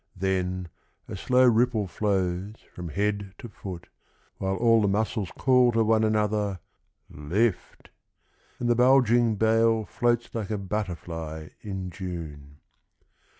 Then a slow ripple flows along the body, While all the muscles call to one another :" Lift !" and the bulging bale Floats like a butterfly in June.